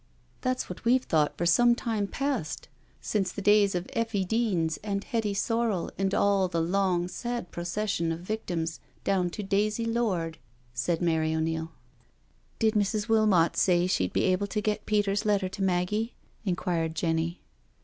" That's what we've thought for some time past, since the days of Effie Deans and Hetty Sorel and all the long, sad procession of victims down to Daisy Lord," said Mary O'Neil. '* Did Mrs. Wilmot say she'd been able to |get Peter's letter to Maggie?" inquired Jenny.